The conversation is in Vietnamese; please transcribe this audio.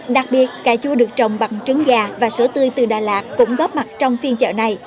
đặc biệt cà chua được trồng bằng trứng gà và sữa tươi từ đà lạt cũng góp mặt trong phiên chợ này